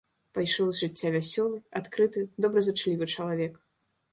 Пайшоў з жыцця вясёлы, адкрыты, добразычлівы чалавек.